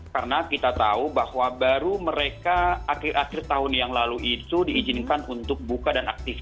karena kita tahu bahwa baru mereka akhir akhir tahun yang lalu itu diizinkan untuk buka dan aktifkan